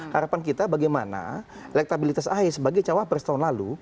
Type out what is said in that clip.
harapan kita bagaimana elektabilitas ahy sebagai cawapres tahun lalu